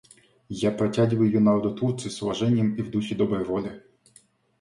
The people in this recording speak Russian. Я протягиваю ее народу Турции, с уважением и в духе доброй воли.